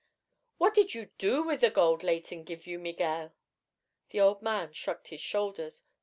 "What did you do with the gold Leighton give you, Miguel?" The old man shrugged his shoulders.